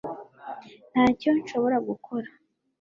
ntacyo nshobora gukora